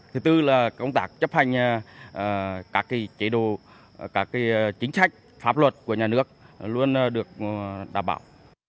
thứ tư là công tác chấp hành các chế độ các chính sách pháp luật của nhà nước luôn được đảm bảo